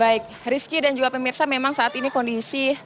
baik rizky dan juga pemirsa memang saat ini kondisi tenda sudah sepi